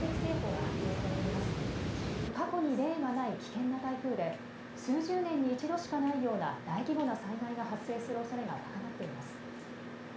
「過去に例がない危険な台風で数十年に一度しかないような大規模な災害が発生するおそれが高まっています」。